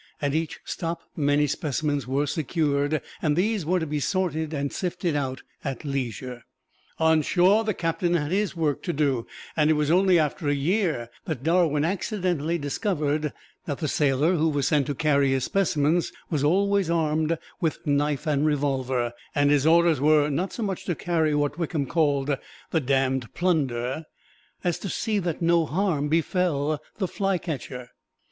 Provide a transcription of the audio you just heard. At each stop many specimens were secured, and these were to be sorted and sifted out at leisure. On shore the Captain had his work to do, and it was only after a year that Darwin accidentally discovered that the sailor who was sent to carry his specimens was always armed with knife and revolver, and his orders were not so much to carry what Wickham called, "the damned plunder," as to see that no harm befell the "Flycatcher."